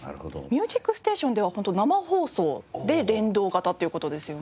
『ミュージックステーション』では本当生放送で連動型っていう事ですよね？